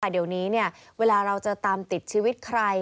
เดี๋ยวนี้เวลาเราจะตามติดชีวิตใคร